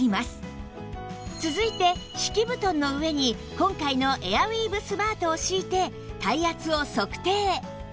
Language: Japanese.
続いて敷き布団の上に今回のエアウィーヴスマートを敷いて体圧を測定